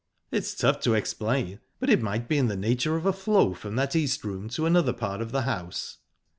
"It's tough to explain, but it might be in the nature of a flow from that East Room to another part of the house."